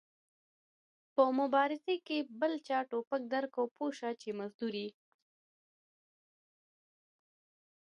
په مبارزه کې چې بل چا ټوپک درکړ پوه سه چې مزدور ېې